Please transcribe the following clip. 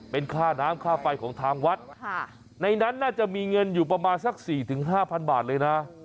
เป็นค่าน้ำค่าไฟของทางวัดในนั้นน่าจะมีเงินอยู่ประมาณสัก๔๕๐๐บาทเลยนะ